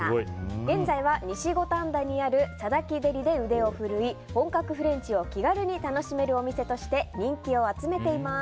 現在は西五反田にあるサダキデリで腕を振るい本格フレンチを気軽に楽しめるお店として人気を集めています。